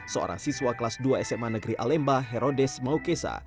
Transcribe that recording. seorang siswa kelas dua sma negeri alemba herodes maukesa